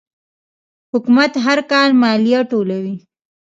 حکومت هر کال مالیه ټولوي.